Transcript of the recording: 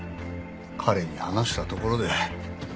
彼に話したところで。